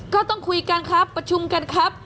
ก็ต้องคุยกันครับประชุมกันครับ